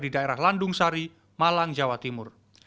di daerah landung sari malang jawa timur